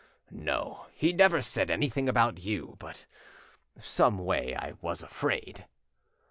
"No, he never said anything about you; but someway I was afraid."